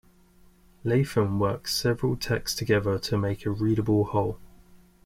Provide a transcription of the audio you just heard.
Latham works several texts together to make a readable whole.